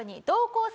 「どうぞ。